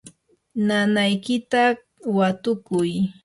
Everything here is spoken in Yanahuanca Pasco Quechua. nanaykita watukuy.